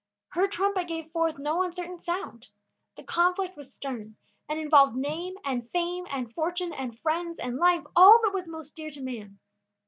Her trumpet gave forth no uncertain sound. The conflict was stern, and involved name, and fame, and fortune, and friends, and life, all that was most dear to man.